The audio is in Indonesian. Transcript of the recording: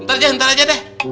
ntar deh ntar aja deh